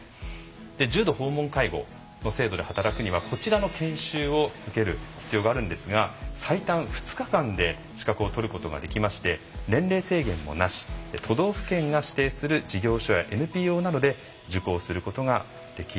重度訪問介護の制度で働くにはこちらの研修を受ける必要があるんですが最短２日間で資格を取ることができまして年齢制限もなし都道府県が指定する事業所やＮＰＯなどで受講することができるんです。